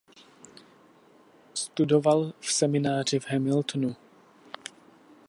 Studoval v semináři v Hamiltonu.